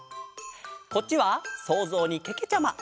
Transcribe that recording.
こっちはそうぞうにけけちゃま。